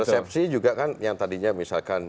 persepsi juga kan yang tadinya misalkan